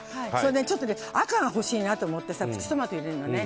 ちょっと赤が欲しいなと思ってプチトマト入れるのね。